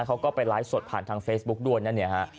เขาก็ไปไลฟ์สดผ่านทางเฟซบุ๊กด้วยนะเนี่ยฮะ